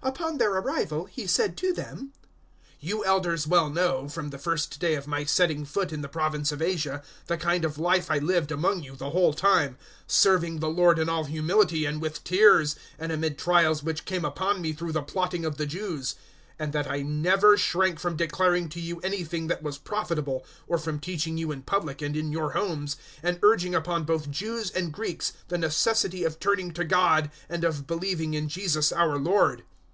020:018 Upon their arrival he said to them, "You Elders well know, from the first day of my setting foot in the province of Asia, the kind of life I lived among you the whole time, 020:019 serving the Lord in all humility, and with tears, and amid trials which came upon me through the plotting of the Jews 020:020 and that I never shrank from declaring to you anything that was profitable, or from teaching you in public and in your homes, 020:021 and urging upon both Jews and Greeks the necessity of turning to God and of believing in Jesus our Lord.